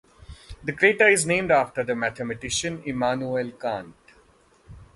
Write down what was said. The crater is named after the mathematician Immanuel Kant.